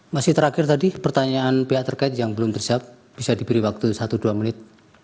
masih terakhir tadi pertanyaan pihak terkait yang belum terjawab bisa diberi waktu satu dua menit